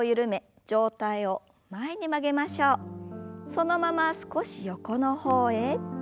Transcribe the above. そのまま少し横の方へ。